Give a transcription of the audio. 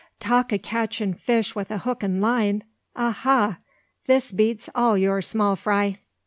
Talk o' catching fish wi' hook an' line! Aha! This beats all your small fry.